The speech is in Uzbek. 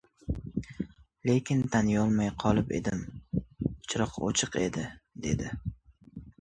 — Lekin, taniyolmay qolib edim, chiroq o‘chiq edi, — dedi.